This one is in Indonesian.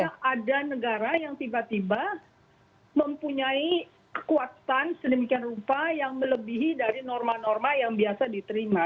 karena ada negara yang tiba tiba mempunyai kekuatan sedemikian rupa yang melebihi dari norma norma yang biasa diterima